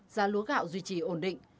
giá lúa gạo duy trì ổn định